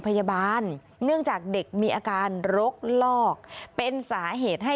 พาพนักงานสอบสวนสนราชบุรณะพาพนักงานสอบสวนสนราชบุรณะ